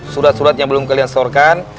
surat surat yang belum kalian setorkan